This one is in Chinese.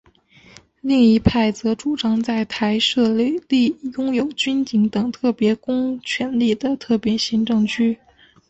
另一派则主张在台设立拥有军警等特别公权力的特别行政区。